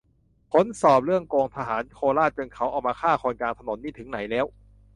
"ผลสอบเรื่องโกงทหารโคราชจนเขาออกมาฆ่าคนกลางถนนนี่ถึงไหนแล้ว"